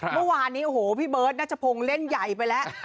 เมื่อวานนี้โอ้โหพี่เบิร์ดนัชพงศ์เล่นใหญ่ไปแล้ว